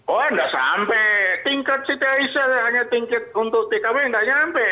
oh tidak sampai tingkat si taisa hanya tingkat untuk tkb tidak sampai